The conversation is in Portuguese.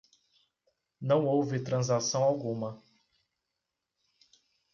Não houve transação alguma.